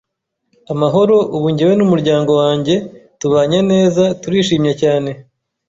amahoro ubu njyewe n’umuryango wanjye tubanyeneza turishimye cyane